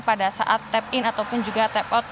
pada saat tap in ataupun juga tap out